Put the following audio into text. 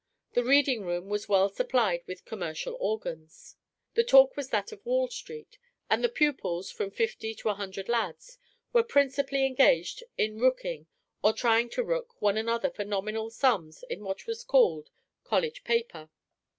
The reading room was well supplied with "commercial organs." The talk was that of Wall Street; and the pupils (from fifty to a hundred lads) were principally engaged in rooking or trying to rook one another for nominal sums in what was called "college paper."